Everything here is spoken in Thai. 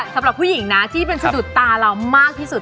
สำหรับผู้หญิงนะที่เป็นสะดุดตาเรามากที่สุด